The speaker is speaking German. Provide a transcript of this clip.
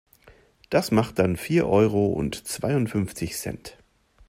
Das macht dann vier Euro und zweiundfünfzig Cent.